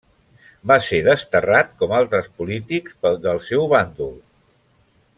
Va ser desterrat com altres polítics del seu bàndol.